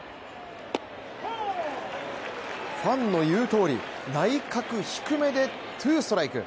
ファンの言うとおり内角低めでツーストライク。